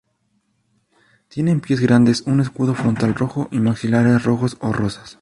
Tienen pies grandes, un escudo frontal rojo, y maxilares rojos o rosas.